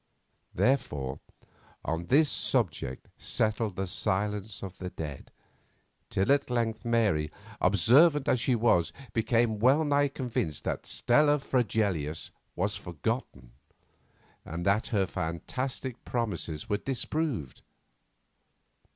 Therefore, on this subject settled the silence of the dead, till at length Mary, observant as she was, became well nigh convinced that Stella Fregelius was forgotten, and that her fantastic promises were disproved.